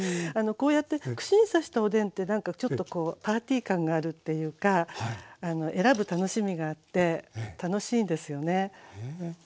こうやって串に刺したおでんって何かちょっとパーティー感があるっていうか選ぶ楽しみがあって楽しいんですよね。